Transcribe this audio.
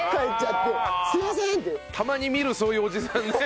たまに見るそういうおじさんね。